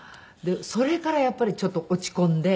それからやっぱりちょっと落ち込んで。